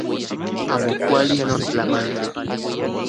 Amo kuali non tlamantli